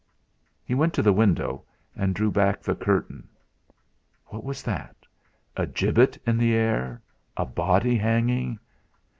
He went to the window and drew back the curtain. What was that? A gibbet in the air, a body hanging?